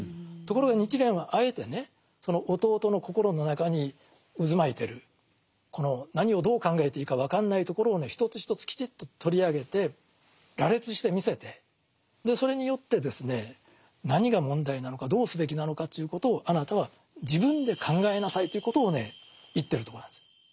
ところが日蓮はあえてねその弟の心の中に渦巻いてるこの何をどう考えていいか分かんないところをね一つ一つきちっと取り上げて羅列してみせてでそれによってですね何が問題なのかどうすべきなのかということをあなたは自分で考えなさいということをね言ってるとこなんです。